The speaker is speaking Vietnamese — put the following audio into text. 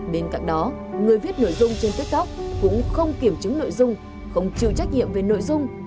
bên cạnh đó người viết nội dung trên tiktok cũng không kiểm chứng nội dung không chịu trách nhiệm về nội dung